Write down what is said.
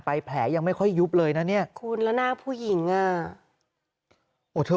แผลยังไม่ค่อยยุบเลยนะเนี่ยคุณแล้วหน้าผู้หญิงอ่ะโอ้เธอ